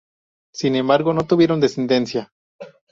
Sin embargo, no tuvieron descendencia.